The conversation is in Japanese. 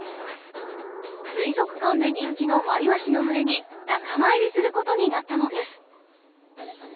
水族館で人気のマイワシの群れに仲間入りすることになったのです。